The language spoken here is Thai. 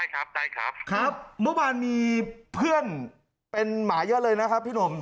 ครับได้ครับครับเมื่อวานมีเพื่อนเป็นหมาเยอะเลยนะครับพี่หนุ่ม